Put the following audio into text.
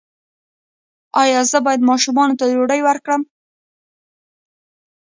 ایا زه باید ماشوم ته ډوډۍ ورکړم؟